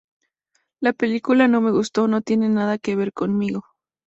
La película no me gustó, no tiene nada que ver conmigo.